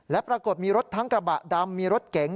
และปรากฏมีรถทั้งกระบะดำมีรถเก๋ง